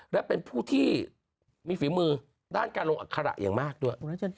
และเป็นผู้ที่มีฝีมือด้านการลงอัคระอย่างมากด้วย